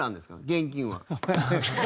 現金は。